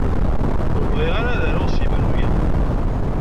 Ur bɣiɣ ara ad aruɣ s yemru-a.